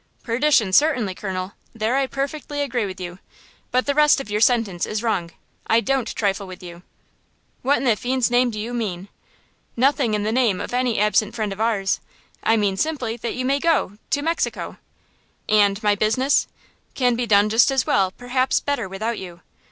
"Perdition, certainly, colonel; there I perfectly agree with you. But the rest of your sentence is wrong; I don't trifle with you." "What in the fiend's name do you mean?" "Nothing in the name of any absent friend of ours. I mean simply that you may go to–Mexico!" "And–my business–" "–Can be done just as well, perhaps better, without you.